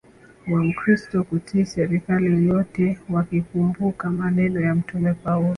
wa Mkristo kutii serikali yoyote wakikumbuka maneno ya Mtume Paulo